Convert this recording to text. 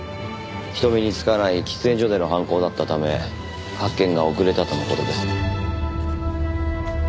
人目につかない喫煙所での犯行だったため発見が遅れたとの事です。